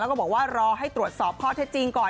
แล้วก็บอกว่ารอให้ตรวจสอบข้อเท็จจริงก่อน